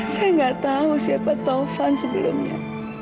saya nggak tahu siapa taufan sebelumnya